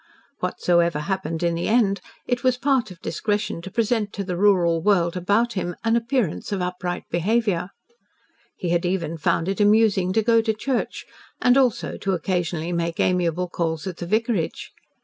Whatsoever happened in the end, it was the part of discretion to present to the rural world about him an appearance of upright behaviour. He had even found it amusing to go to church and also to occasionally make amiable calls at the vicarage.